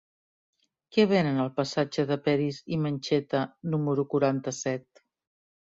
Què venen al passatge de Peris i Mencheta número quaranta-set?